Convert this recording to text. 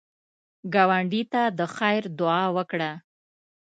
ګاونډي ته د خیر دعا وکړه